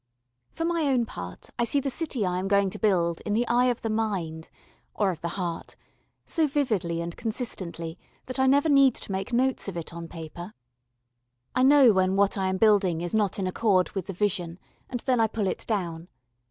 For my own part I see the city I am going to build in the eye of the mind or of the heart so vividly and consistently that I never need to make notes of it on paper. I know when what I am building is not in accord with the vision, and then I pull it down.